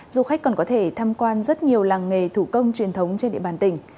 du khách còn có thể tham quan rất nhiều làng nghề thủ công truyền thống trên địa bàn tỉnh